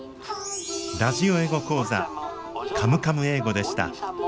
ラジオ英語講座「カムカム英語」でした。